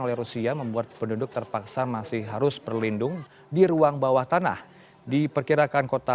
oleh rusia membuat penduduk terpaksa masih harus berlindung di ruang bawah tanah diperkirakan kota